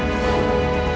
terima kasih pak hendrik